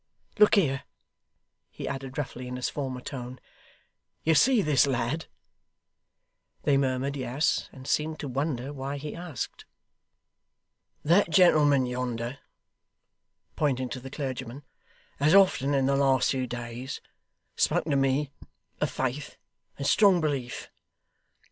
Look here,' he added roughly, in his former tone. 'You see this lad?' They murmured 'Yes,' and seemed to wonder why he asked. 'That gentleman yonder ' pointing to the clergyman 'has often in the last few days spoken to me of faith, and strong belief.